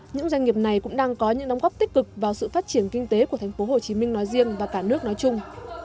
những doanh nghiệp này cũng đang có những đóng góp tích cực vào sự phát triển kinh tế của tp hcm nói riêng và cả nước nói chung